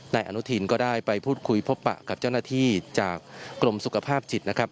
นายอนุทินก็ได้ไปพูดคุยพบปะกับเจ้าหน้าที่จากกรมสุขภาพจิตนะครับ